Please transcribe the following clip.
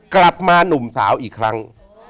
กลับมาหนุ่มสาวอีกครั้ง